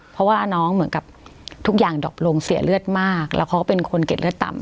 เพราะว่าน้องเหมือนกับทุกอย่างดอบลงเสียเลือดมากแล้วเขาก็เป็นคนเก็ดเลือดต่ำ